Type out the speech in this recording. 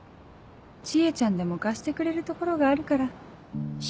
知恵ちゃんでも貸してくれる所があるから。